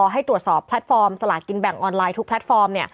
ให้ตรวจสอบแพลตฟอร์มสลากินแบ่งออนไลน์ทุกแพลตฟอร์ม